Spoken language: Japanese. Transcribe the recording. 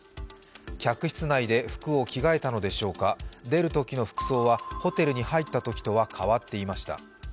客室内で服を着替えたのでしょうか、出るときの服装はホテルに入ったときとは変わっていました。